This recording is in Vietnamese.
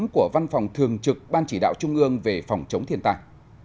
của văn phòng thường trực ban chỉ đạo trung ương về phòng chống thiên tai